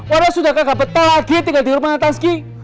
warna sudah kagak betul lagi tinggal di rumahnya tanski